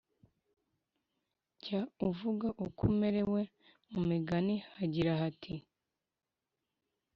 Jya uvuga uko umerewe Mu Migani hagira hati